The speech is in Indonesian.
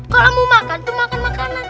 kalau kamu makan tuh makan makanan